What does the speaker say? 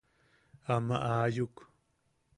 –Ama aayuk.